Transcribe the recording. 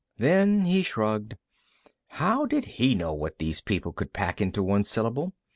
Then he shrugged. How did he know what these people could pack into one syllable?